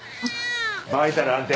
バイタル安定。